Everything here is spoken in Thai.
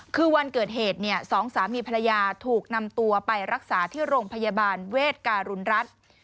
คือวันเกิดเหตุเนี่ยสองสามีภรรยาถูกนำตัวไปรักษาที่โรงพยาบาลเวทการุณรัฐ